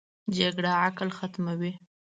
جګړه عقل ختموي